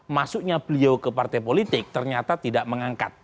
masuknya beliau ke partai politik ternyata tidak mengangkat